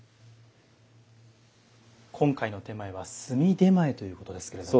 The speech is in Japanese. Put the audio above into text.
今回の点前は炭手前ということですけれども。